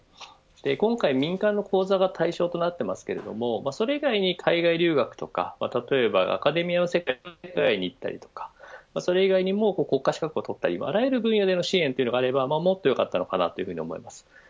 今回民間の講座が対象となっていますがそれ以外に海外留学や例えば、アカデミアの世界にいったりとかそれ以外にも国家資格を取ったりあらゆる分野での支援があればもっといいと思います。